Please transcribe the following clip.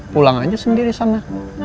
pulang aja sendiri sana